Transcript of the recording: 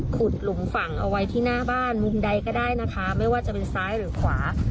หลุมฝั่งเอาไว้ที่หน้าบ้านมุมใดก็ได้นะคะไม่ว่าจะเป็นซ้ายหรือขวา